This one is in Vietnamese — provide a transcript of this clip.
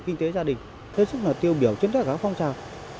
kinh tế gia đình thế giới sức tiêu biểu trên tất cả các phong trào